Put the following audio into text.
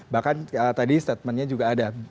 bahkan tadi statementnya juga ada